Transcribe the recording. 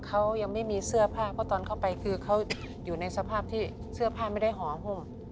เขายังไม่มีเสื้อผ้าเพราะตอนเข้าไปคือเขาอยู่ในสภาพที่เสื้อผ้าไม่ได้ห่อหุ้ม